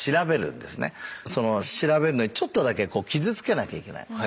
その調べるのにちょっとだけ傷つけなきゃいけない。